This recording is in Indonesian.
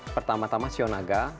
pertama tama sio naga